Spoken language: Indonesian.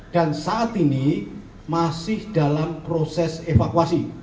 dan saat ini masih dalam proses evakuasi